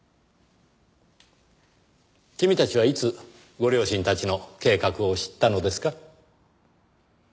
君たちはいつご両親たちの計画を知ったのですか？